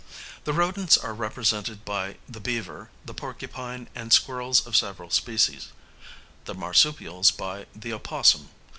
The rodents are represented by the beaver, the porcupine, and squirrels of several species; the marsupials by the opossum.